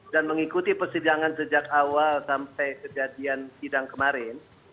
dan mengikuti persidangan sejak awal sampai kejadian sidang kemarin